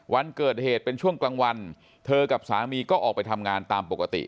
วันเกิดเหตุเป็นช่วงกลางวันเธอกับสามีก็ออกไปทำงานตามปกติ